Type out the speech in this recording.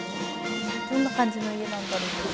どんな感じの家なんだろう？